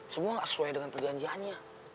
semua nggak sesuai dengan perjanjiannya